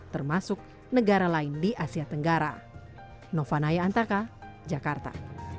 termasuk negara lain di asia tenggara